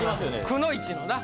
くノ一のな？